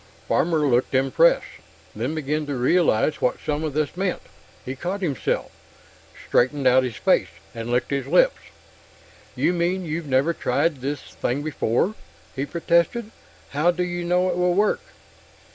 Farmer looked impressed, then began to realize what some of this meant. He caught himself, straightened out his face, and licked his lips. "You mean you've never tried the thing before?" he protested. "How do you know it will work?"